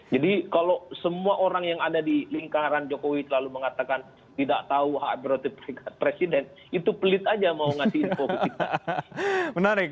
jadi kalau semua orang yang ada di lingkaran jokowi selalu mengatakan tidak tahu berarti presiden itu pelit aja mau ngasih info begitu